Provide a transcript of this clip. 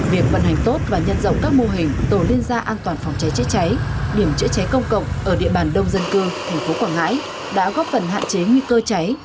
việc vận hành tốt và nhân rộng các mô hình tổ liên gia an toàn phòng cháy chữa cháy điểm chữa cháy công cộng ở địa bàn đông dân cư tp quảng ngãi đã góp phần hạn chế nguy cơ cháy